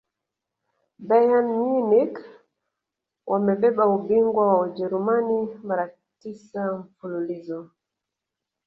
bayern munich wamebeba ubingwa wa ujerumani mara tisa mfululizo